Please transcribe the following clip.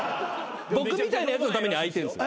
僕みたいなやつのために開いてるんすよ。